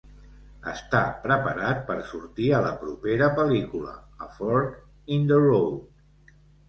Està preparat per sortir a la propera pel·lícula "A Fork in the Road".